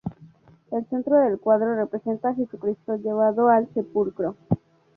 El centro del cuadro representa a Jesucristo llevado al sepulcro.